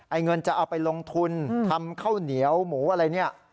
เงินจะเอาไปลงทุนทำข้าวเหนียวหมูอะไรเนี่ย